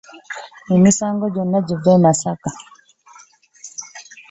Emisango gyonna give e Masaka.